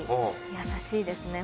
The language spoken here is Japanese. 優しいですね